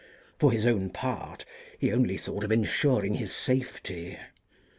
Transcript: For his own part, he only thought of ensuring his safety.